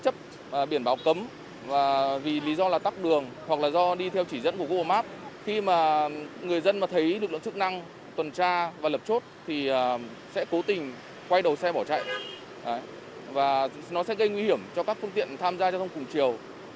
các lực lượng chức năng tuần tra và lập chốt sẽ cố tình quay đầu xe bỏ chạy và nó sẽ gây nguy hiểm cho các phương tiện tham gia giao thông cùng chiều